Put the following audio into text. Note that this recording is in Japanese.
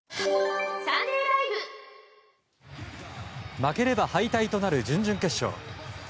負ければ敗退となる準々決勝。